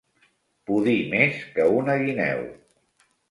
Pudir més que una guineu.